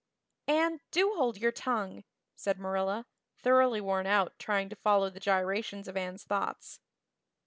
"Anne, do hold your tongue," said Marilla, thoroughly worn out trying to follow the gyrations of Anne's thoughts.